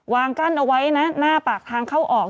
กั้นเอาไว้นะหน้าปากทางเข้าออก